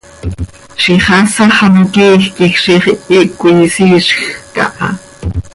Ziix haasax ano quiij quij ziix ihic coi isiizjc aha.